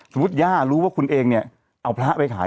ย่ารู้ว่าคุณเองเนี่ยเอาพระไปขาย